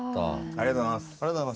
ありがとうございます。